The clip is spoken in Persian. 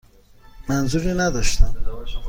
منظوری نداشتم.